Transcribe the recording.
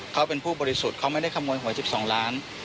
เขาเป็นผู้บริสุทธิ์เขาไม่ได้ขโมยหวย๑๒ล้าน